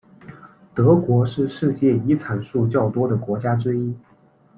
德国是世界遗产数较多的国家之一。